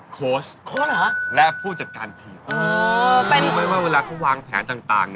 โค้ชและผู้จัดการทีมรู้ไหมว่าเวลาเขาวางแผนต่าง